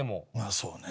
そうね。